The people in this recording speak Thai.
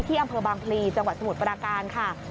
อำเภอบางพลีจังหวัดสมุทรปราการค่ะ